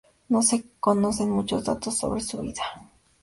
No se conocen muchos datos sobre su vida.